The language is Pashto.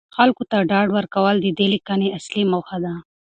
خلکو ته ډاډ ورکول د دې لیکنې اصلي موخه ده.